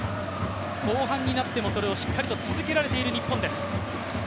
後半になっても、それをしっかり続けられている日本です。